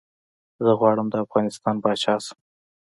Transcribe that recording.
زه غواړم ده افغانستان پاچا شم